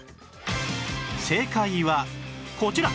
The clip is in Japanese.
正解はこちら！